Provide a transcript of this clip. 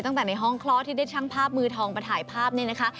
ตั้งแต่ในห้องคลอดที่ได้ช่างภาพมือทองมาถ่ายภาพนี่นะคะ